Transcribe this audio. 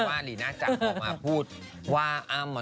ว่าลีน่าจังออกมาพูดว่าอ้ำล่ะเนอะ